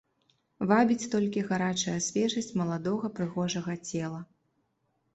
Вабіць толькі гарачая свежасць маладога прыгожага цела.